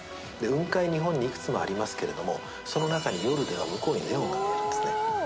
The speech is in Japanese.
雲海、日本にいくつもありますけれども、その中に夜では向こうにネオンがあるんですね。